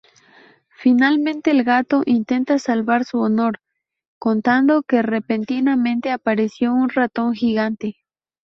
Finalmente, el gato intenta salvar su honor contando que repentinamente apareció un ratón gigante.